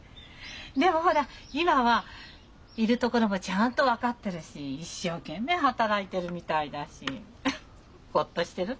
でもほら今はいる所もちゃんと分かってるし一生懸命働いてるみたいだしほっとしてるのよ。